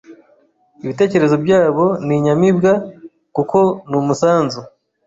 Ibitekerezo byabo ni inyamibwa kuko numusanzu